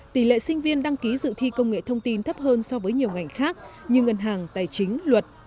tỷ lệ sinh viên đăng ký dự thi công nghệ thông tin thấp hơn so với nhiều ngành khác như ngân hàng tài chính luật